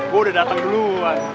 gue udah dateng dulu wak